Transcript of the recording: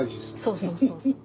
そうそうそうそう。